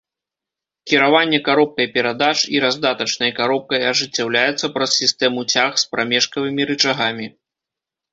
Кіраванне каробкай перадач і раздатачнай каробкай ажыццяўлялася праз сістэму цяг з прамежкавымі рычагамі.